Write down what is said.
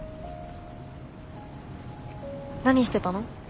何してたの？